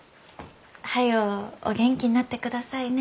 早うお元気になってくださいね。